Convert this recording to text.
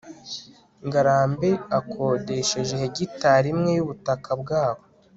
ngarambe akodesheje hegitali imwe y'ubutaka bwabo